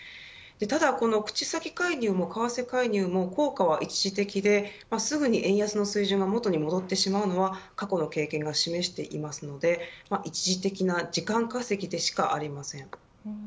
ただ、この口先介入も為替介入も効果は一時的ですぐに円安の水準が元に戻ってしまうのは過去の経験が示しておりますので一時的な時間稼ぎでしかありません。